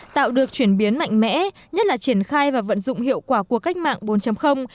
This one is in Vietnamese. tạo được chuyển biến mạnh mẽ nhất là triển khai và vận dụng hiệu quả của cách mạng bốn